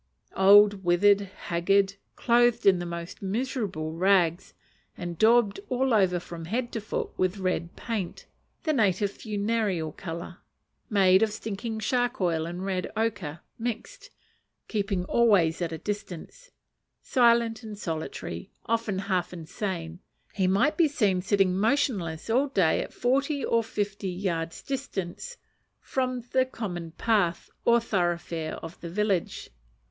Old, withered, haggard, clothed in the most miserable rags, and daubed all over from head to foot with red paint (the native funereal colour), made of stinking shark oil and red ochre mixed, keeping always at a distance, silent and solitary, often half insane, he might be seen sitting motionless all day at forty or fifty yards distance from the common path or thoroughfare of the village.